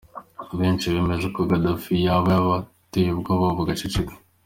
Benshi bemeza ko Gaddafi yaba yarabateye ubwoba bagaceceka.